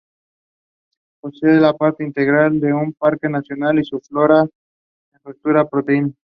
Por ser parte integral de un parque nacional su flora y fauna están protegidas.